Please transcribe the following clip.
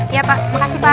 iya pak terima kasih pak